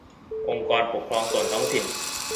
องค์กรปกครองส่วนท้องถิ่น